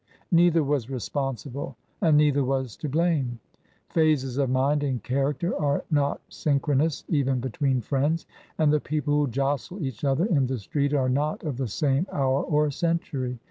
Neither was responsible and neither was to blame. Phases of mind and character are not synchronous even between friends ; and the people who jostle each other in the street are not of the same hour or century.